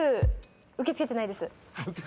受け付けてないです。